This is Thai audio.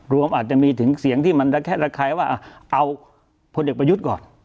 รวมอาจจะมีถึงเสียงที่มันระแคะระคายว่าเอาพลเอกประยุทธ์ก่อน